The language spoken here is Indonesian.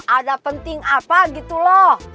ada penting apa gitu loh